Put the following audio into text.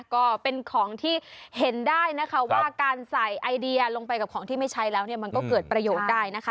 ก็เป็นของที่เห็นได้นะคะว่าการใส่ไอเดียลงไปกับของที่ไม่ใช้แล้วเนี่ยมันก็เกิดประโยชน์ได้นะคะ